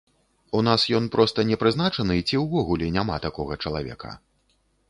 У нас ён проста не прызначаны, ці ўвогуле няма такога чалавека?